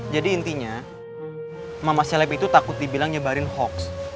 jadi intinya mama selek itu takut dibilang nyebarin hoax